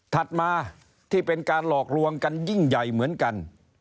ถัดมาที่เป็นการหลอกลวงกันยิ่งใหญ่เหมือนกัน